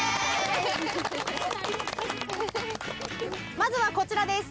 まずはこちらです